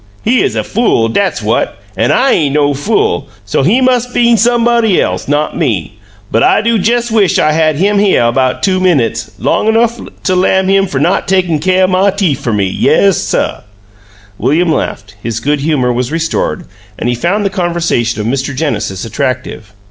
He 'uz a fool, dat's what an' I ain' no fool, so he mus' been somebody else, not me; but I do jes' wish I had him hyuh 'bout two minutes long enough to lam him fer not takin' caih o' my teef fer me!' Yes, suh!" William laughed; his good humor was restored and he found the conversation of Mr. Genesis attractive.